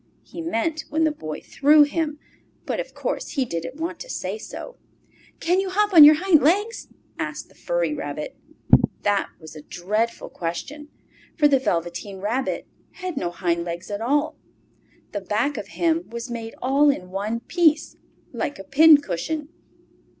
He meant when the Boy threw him, but of course he didn't want to say so. "Can you hop on your hind legs?" asked the furry rabbit. That was a dreadful question, for the Velveteen Rabbit had no hind legs at all! The back of him was made all in one piece, like a pincushion.